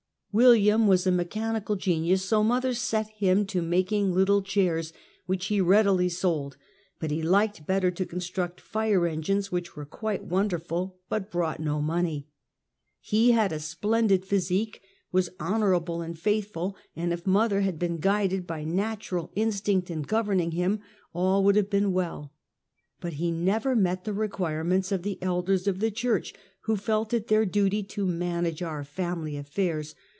William was a mechanical genius, so mother set him to making little chairs, which he readily sold, but he liked better to construct fire engines, which were quite wonderful but brought no money. He had a splendid physique, was honorable and faithful, and if mother had been guided by natural instinct in governing him, all would have been well; but he never met the re quirements of the elders of the church, who felt it their duty to manage our family affairs.